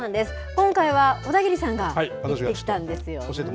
今回は小田切さんが行ってきたんですよね。